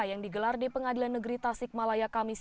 yang digelar di pengadilan negeri tasikmalaya kamis